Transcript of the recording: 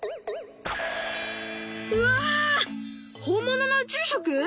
うわ本物の宇宙食？